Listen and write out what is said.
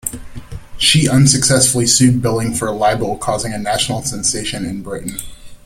She unsuccessfully sued Billing for libel, causing a national sensation in Britain.